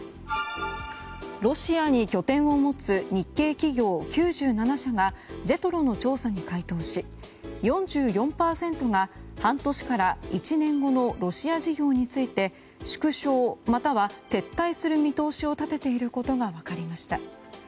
ロシアに拠点を持つ日系企業９７社がＪＥＴＲＯの調査に回答し４４％が半年から１年後のロシア事業について縮小または撤退する見通しを立てていることが分かりました。